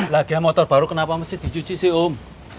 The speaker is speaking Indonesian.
lagi motor baru kenapa mesti dicuci sih om